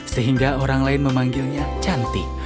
sehingga orang lain memanggilnya cantik